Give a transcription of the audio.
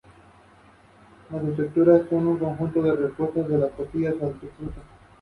La estructura es un conjunto que representa a las costillas de un fruto.